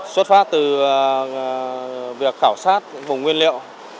xuất phát từ việc khảo sát vùng nguyên liệu